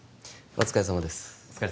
お疲れさまです